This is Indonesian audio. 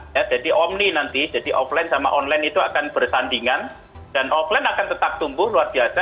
ya jadi omni nanti jadi offline sama online itu akan bersandingan dan offline akan tetap tumbuh luar biasa